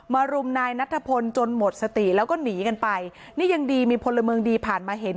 รุมนายนัทพลจนหมดสติแล้วก็หนีกันไปนี่ยังดีมีพลเมืองดีผ่านมาเห็น